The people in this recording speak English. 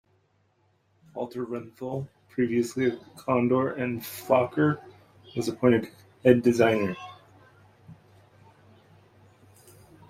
Walter Rethel, previously of Kondor and Fokker, was appointed head designer.